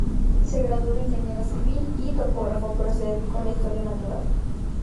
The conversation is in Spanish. Se graduó de ingeniero civil y topógrafo, pero se dedicó a la historia natural.